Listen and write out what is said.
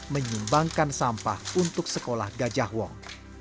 menyumbangkan sampah untuk sekolah gajah wong